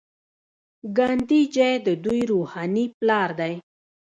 ګاندي جی د دوی روحاني پلار دی.